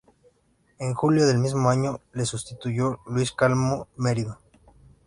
En julio del mismo año le sustituyó Luis Calvo Merino.